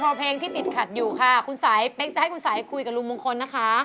พอเพลงที่ติดขัดอยู่ค่ะคุณสายเป๊กจะให้คุณสายคุยกับลุงมงคลนะคะ